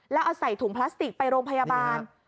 แล้วเอาใส่ถุงพลาสติกไปโรงพยาบาล